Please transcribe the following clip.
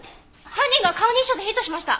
犯人が顔認証でヒットしました！